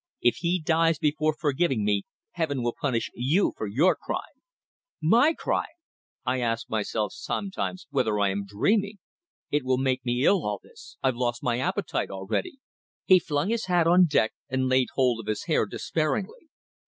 If he dies before forgiving me, Heaven will punish you for your crime ...' My crime! I ask myself sometimes whether I am dreaming! It will make me ill, all this. I've lost my appetite already." He flung his hat on deck and laid hold of his hair despairingly.